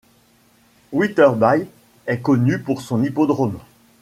Wetherby est connue pour son hippodrome.